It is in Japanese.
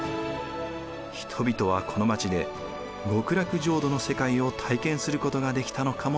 人々はこの町で極楽浄土の世界を体験することができたのかもしれません。